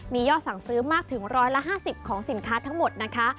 มียอดสั่งซื้อมากถึง๑๕๐ของสินค้าทั้งหมดนะคะ